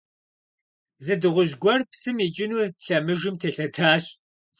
Зы дыгъужь гуэр псым икӀыну лъэмыжым телъэдащ.